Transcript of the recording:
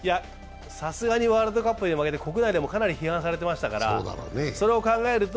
さすがにワールドカップで負けて国内でもかなり批判されてましたから、それを考えると